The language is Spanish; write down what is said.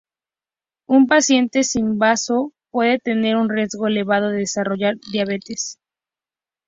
Un paciente sin bazo puede tener un riesgo elevado de desarrollar diabetes.